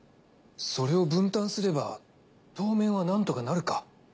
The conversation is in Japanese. それを分担すれば当面はなんとかなるか。